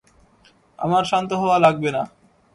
আমার শান্ত হওয়া লাগবে না!